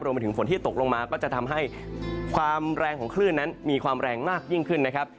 มาถึงฝนที่ตกลงมาก็จะทำให้ความแรงของคลื่นนั้นมีความแรงมากยิ่งขึ้นนะครับ